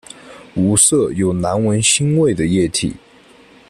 无色有难闻腥味的液体。